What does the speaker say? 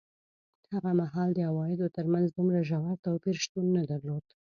هغه مهال د عوایدو ترمنځ دومره ژور توپیر شتون نه درلود.